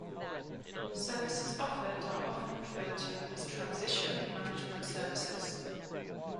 Services offered are often referred to as transition management services.